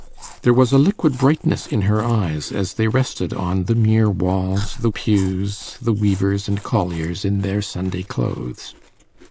There was a liquid brightness in her eyes as they rested on the mere walls, the pews, the weavers and colliers in their Sunday clothes.